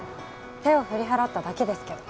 手を振り払っただけですけど。